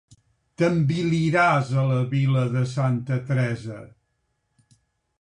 T'enviliràs a la vila de santa Teresa.